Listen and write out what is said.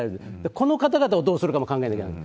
この方々をどうするかも考えてなきゃいけない。